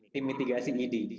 tim mitigasi id